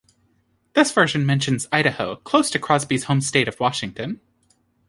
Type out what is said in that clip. This version mentions Idaho, close to Crosby's home state of Washington.